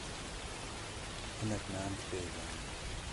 hinek nan dipêjand